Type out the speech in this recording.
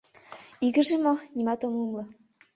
Игыже мо? — нимат ом умыло.